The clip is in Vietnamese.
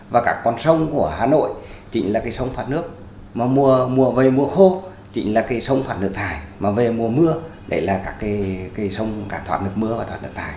và các con sông của hà nội chính là cái sông thoát nước mà mùa về mùa khô chính là cái sông phản nước thải mà về mùa mưa đấy là các cái sông cả thoát nước mưa và thoát nước thải